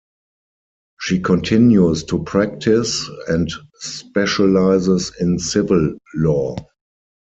She continues to practice and specialises in civil law.